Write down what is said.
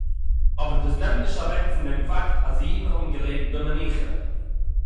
אָבער דאָס נעמט נישט אַוועק פון דעם פאַקט אַז אידן האָבן געלעבט במנוחה